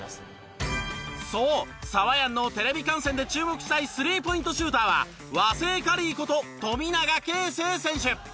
そうサワヤンのテレビ観戦で注目したいスリーポイントシューターは和製カリーこと富永啓生選手。